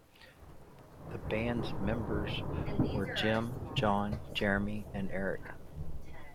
The band's members were Jim, John, Jeremy, and Eric.